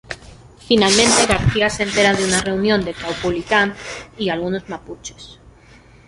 Finalmente García se entera de una reunión de Caupolicán y algunos mapuches.